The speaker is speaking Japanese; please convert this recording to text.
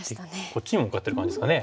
こっちにも向かってる感じですかね。